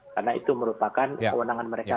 karena itu merupakan kewenangan mereka